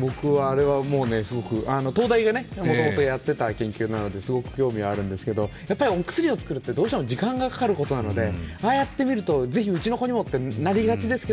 僕は東大がもともとやっていた研究なのですごく興味があるんですけれどもやっぱりお薬を作るってどうしても時間がかかることなのでああやって見ると、ぜひ、うちの子にもってなりがちですけど、